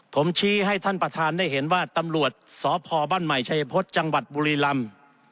ผมชี้ให้ท่านประธานได้เห็นว่าตำรวจสพบ้านใหม่ชัยพฤษจังหวัดบุรีลำ